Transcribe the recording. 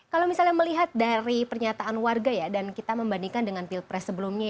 kalau misalnya melihat dari pernyataan warga ya dan kita membandingkan dengan pilpres sebelumnya